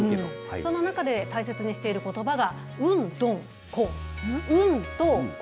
その中で大切にしていることばが、運・鈍・根。